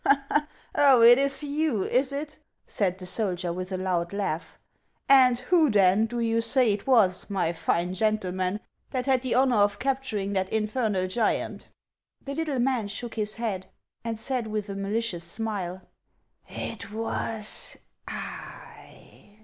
" Oh, it is you, is it ?" said the soldier, with a loud laugh. "And who, then, do you say it was, my fine gentle man, that had the honor of capturing that infernal giant ?" The little man shook his head, and said with a mali cious smile :" It was I."